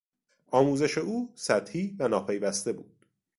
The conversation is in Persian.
آموزش او سطحی و ناپیوسته بود.